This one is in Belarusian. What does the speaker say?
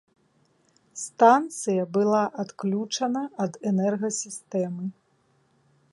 Станцыя была адключана ад энергасістэмы.